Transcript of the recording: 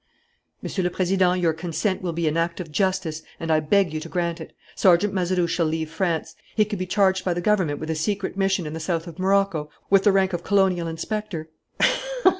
"Monsieur le Président, your consent will be an act of justice and I beg you to grant it. Sergeant Mazerou shall leave France. He can be charged by the government with a secret mission in the south of Morocco, with the rank of colonial inspector."